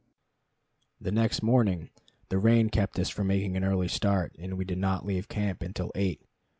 The next morning the rain kept us from making an early start, and we did not leave camp until eight.